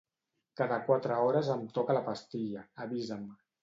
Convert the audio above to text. Cada quatre hores em toca la pastilla, avisa'm.